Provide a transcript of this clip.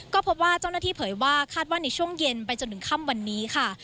ก็พบว่าเจ้าหน้าที่เผยว่าคาดว่าในช่วงเย็นไปจนถึงค่ำวันนี้ค่ะ